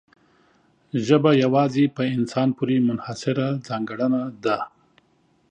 ژبه یوازې په انسان پورې منحصره ځانګړنه ده.